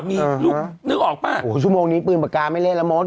มีลูกนึกออกป่ะโอ้โหชั่วโมงนี้ปืนปากกาไม่เล่นแล้วมด